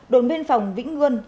đồn biên phòng vĩnh nguân